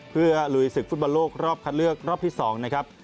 เพื่อลุยศึกฟุตบอลโลกรอบคัดเลือกรอบที่๒นะครับ